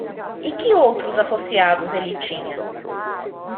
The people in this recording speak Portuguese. E que outros associados ele tinha?